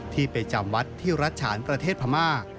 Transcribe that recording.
ที่ไปจำวัดที่รัฐฉานประเทศพม่า